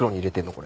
これ。